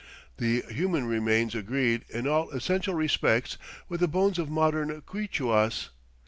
The human remains agreed "in all essential respects" with the bones of modern Quichuas.